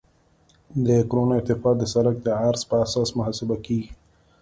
د کرون ارتفاع د سرک د عرض په اساس محاسبه کیږي